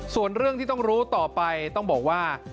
ส่วนเรื่องที่ต้องรู้ต่อไปต้องบอกว่า